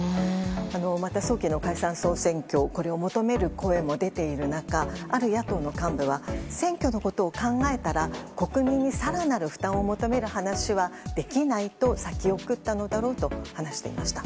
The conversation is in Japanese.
また、早期の解散・総選挙を求める声も出ている中ある野党の幹部は選挙のことを考えたら国民に更なる負担を求める話はできないと先送ったのだろうと話していました。